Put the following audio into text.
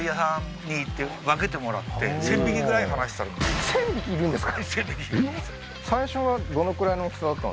１０００匹いるんですか？